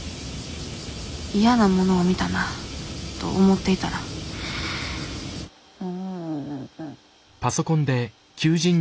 嫌なものを見たなと思っていたらうん。